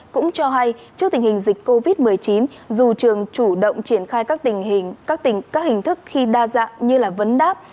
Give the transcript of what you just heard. cũng cho hay trước tình hình dịch covid một mươi chín dù trường chủ động triển khai các hình thức khi đa dạng như vấn đáp